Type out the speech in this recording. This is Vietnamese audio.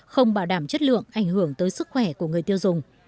không bảo đảm chất lượng ảnh hưởng tới sức khỏe của người tiêu dùng